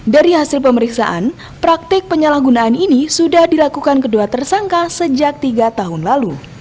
dari hasil pemeriksaan praktik penyalahgunaan ini sudah dilakukan kedua tersangka sejak tiga tahun lalu